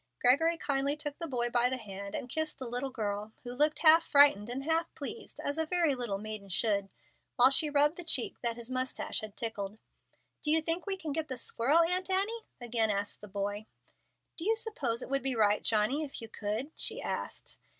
Gregory kindly took the boy by the hand, and kissed the little girl, who looked half frightened and half pleased, as a very little maiden should, while she rubbed the cheek that his mustache had tickled. "Do you think we can get the squirrel, Aunt Annie?" again asked the boy. "Do you think it would be right, Johnny, if you could?" she asked.